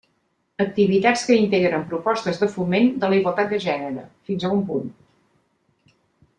Activitats que integren propostes de foment de la igualtat de gènere, fins a un punt.